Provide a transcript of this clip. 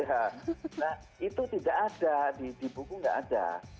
iya itu tidak ada di buku nggak ada